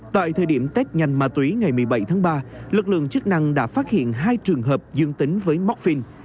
tại thời điểm test nhanh ma túy ngày một mươi bảy tháng ba lực lượng chức năng đã phát hiện hai trường hợp dương tính với mocfin